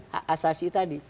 hak asasi tadi